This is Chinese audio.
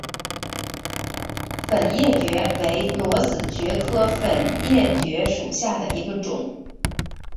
粉叶蕨为裸子蕨科粉叶蕨属下的一个种。